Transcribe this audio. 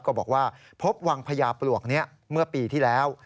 ก็บอกว่าพบวังพญาปลวกนี้เมื่อปีที่แล้ว